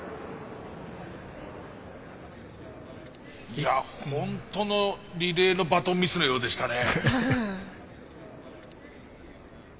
いやホントのリレーのバトンミスのようでしたね。